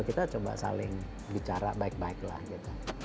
kita coba saling bicara baik baik lah gitu